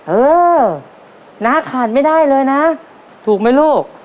เออน้าขาดไม่ได้เลยนะถูกไหมลูก